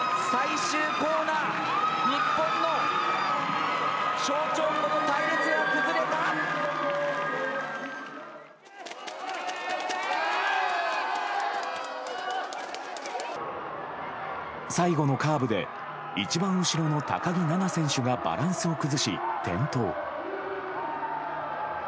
最後のカーブで一番後ろの高木菜那選手がバランスを崩し転倒。